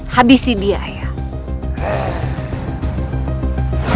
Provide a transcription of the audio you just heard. habisi dia ayah